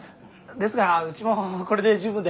ですがうちもこれで十分で。